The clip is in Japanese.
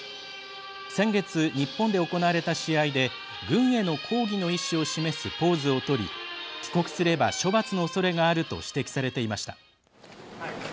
先月、日本で行われた試合で軍への抗議の意思を示すポーズをとり帰国すれば処罰のおそれがあると指摘されていました。